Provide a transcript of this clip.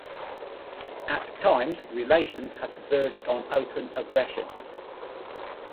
At times, relations have verged on open aggression.